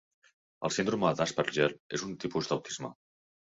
El síndrome d'Asperger és un tipus d'autisme.